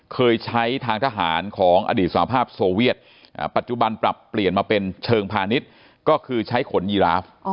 เคยใช้ทางทหารของอดีตสาภาพโซเวียตปัจจุบันปรับเปลี่ยนมาเป็นเชิงพาณิชย์ก็คือใช้ขนยีราฟ